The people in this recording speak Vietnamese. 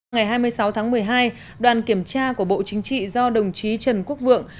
ngày hai mươi sáu tháng một mươi hai đoàn kiểm tra của bộ chính trị do đồng chí trần quốc vượng